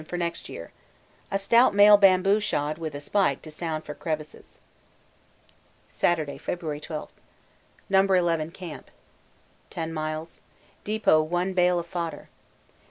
for next year. A stout male bamboo shod with a spike to sound for crevasses. Sunday, February 12. No. 11 Camp. 10 miles. Depot one Bale of Fodder.